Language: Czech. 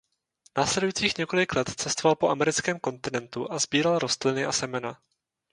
Následujících několik let cestoval po americkém kontinentu a sbíral rostliny a semena.